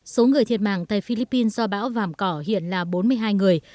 số người thiệt mạng tại philippines do bão vàm cỏ hiện là bốn mươi hai người